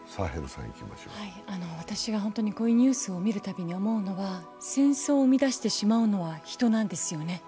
私が本当にこういうニュースを見るたびに思うのは、戦争を生み出してしまうのは人なんですよね。